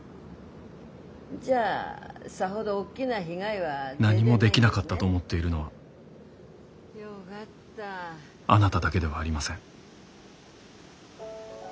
じゃあさほど大きな被害は。何もできなかったと思っているのはあなただけではありません。